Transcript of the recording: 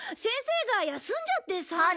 先生が休んじゃってさ。